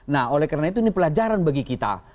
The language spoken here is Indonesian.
nah oleh karena itu ini pelajaran bagi kita